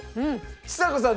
ちさ子さん